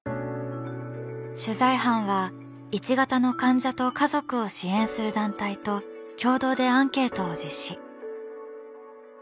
取材班は１型の患者と家族を支援する団体と共同でアンケートを実施。